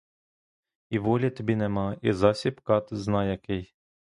І волі тобі нема, і засіб кат зна який.